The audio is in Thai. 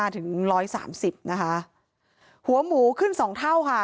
๑๒๕ถึง๑๓๐นะคะหัวหมูขึ้นสองเท่า